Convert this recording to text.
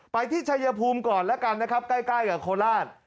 ไปที่ชัยภูมิก่อนแล้วกันนะครับใกล้กับโคราช